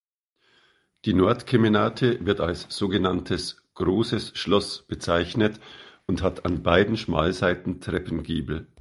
Die Nordkemenate wird als sogenanntes „Großes Schloss“ bezeichnet und hat an beiden Schmalseiten Treppengiebel.